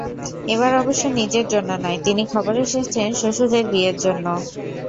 এবার অবশ্য নিজের জন্য নয়, তিনি খবরে এসেছেন শ্বশুরের বিয়ের জন্য।